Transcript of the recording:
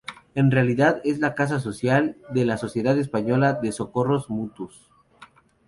En realidad es la casa social de la Sociedad Española de Socorros Mutuos.